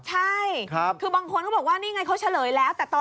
ใช่คือบางคนก็บอกว่านี่ไงเขาเฉลยแล้วแต่ตอน